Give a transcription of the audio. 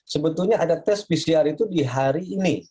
sebetulnya ada tes pcr itu di hari ini